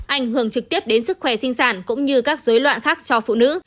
ảnh hưởng trực tiếp đến sức khỏe sinh sản cũng như các dối loạn khác cho phụ nữ